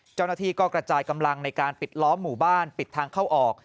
เจ้าหน้าที่ก็กระจายกำลังในการปิดล้อมหมู่บ้านปิดทางเข้าออก